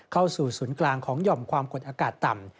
เข้าสู่ศูนย์กลางของหย่อมความกดอากาศต่ำ